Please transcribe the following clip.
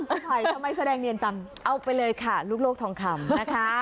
ไข่ทำไมแสดงเนียนจังเอาไปเลยค่ะลูกโลกทองคำนะคะ